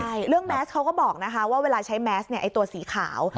ใช่เรื่องแมสเขาก็บอกนะคะว่าเวลาใช้แมสเนี่ยไอ้ตัวสีขาว